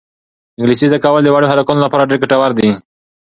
انګلیسي زده کول د وړو هلکانو لپاره ډېر ګټور دي.